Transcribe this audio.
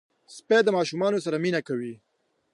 سپي د ماشومانو سره مینه کوي.